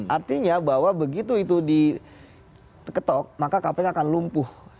artinya bahwa begitu itu diketok maka kpk akan lumpuh